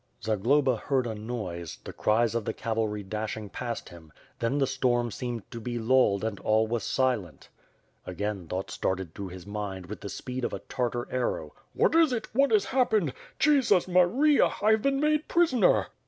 Zagloba heard a noise, the cries of the cavalry dashing past him, then the storm seemed to be lulled and all was silent. Again thoughts darted through his mmd, with the speed of a Tartar arrow, "What is it? What has happened? Jesus Maria! I have been made prisoner."